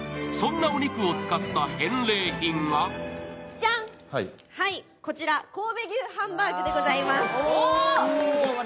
そんなお肉を使った返礼品がこちら神戸牛ハンバーグでございます。